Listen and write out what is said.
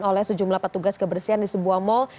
oleh sejumlah petugas kebersihan di sebuah mal